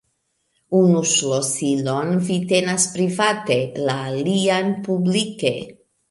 Unu ŝlosilon vi tenas private, la alian publike.